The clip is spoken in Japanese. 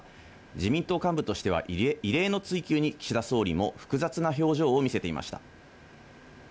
自民党幹部としては異例の追及に、岸田総理も複雑な表情を見せていました。